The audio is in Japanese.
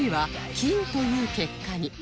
金という結果に